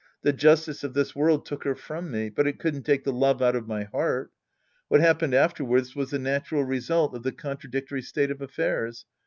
The justice of this world took her from me But it couldn't take the love out of my heart. What happened afterwards was the natural result of the contradictoiy state of affairs.